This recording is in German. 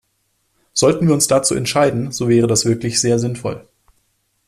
Sollten wir uns dazu entscheiden, so wäre das wirklich sehr sinnvoll.